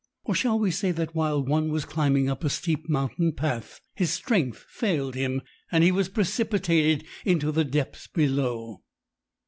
Or shall we say that while one was climbing up a steep mountain path his strength failed him, and he was precipitated into the depths below?